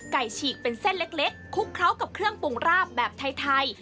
ฉีกเป็นเส้นเล็กคลุกเคล้ากับเครื่องปรุงราบแบบไทย